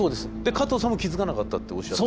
加藤さんも気付かなかったっておっしゃって。